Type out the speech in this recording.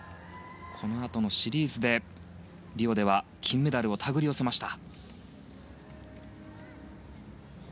このあとのシリーズでリオでは金メダルを手繰り寄せました。